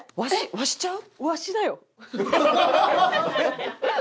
わしちゃう？」